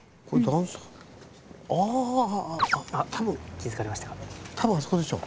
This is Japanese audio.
気付かれましたか？